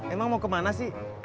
emang mau kemana sih